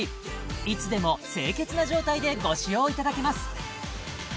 いつでも清潔な状態でご使用いただけます